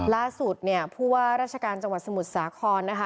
ล่าสุดเนี่ยผู้ว่าราชการจังหวัดสมุทรสาครนะคะ